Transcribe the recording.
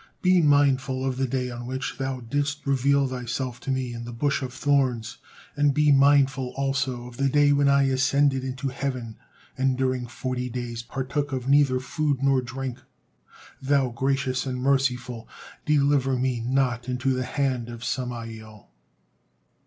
Be mindful of the day on which Thou didst reveal Thyself to me in the bush of thorns, and be mindful also of the day when I ascended into heaven and during forty days partook of neither food nor drink. Thou, Gracious and Merciful, deliver me not into the hand of Samael."